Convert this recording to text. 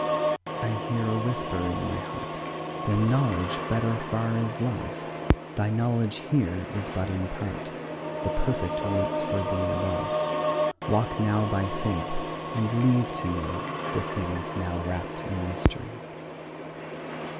I hear a whisper in my heart "Than knowledge, better far is love; Thy knowledge here is but in part, The perfect waits for Thee above: Walk now by faith, and leave to me The things now wrap'd in mystery."